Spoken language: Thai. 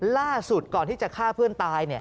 ล่าสุดก่อนที่จะฆ่าเพื่อนตาย